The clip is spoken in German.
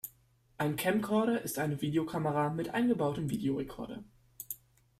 Ein Camcorder ist eine Videokamera mit eingebautem Videorekorder.